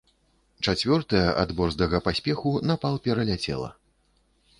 Чацвёртая ад борздага паспеху напал пераляцела.